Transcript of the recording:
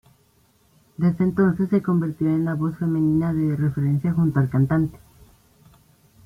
Desde entonces se convirtió en la voz femenina de referencia junto al cantante.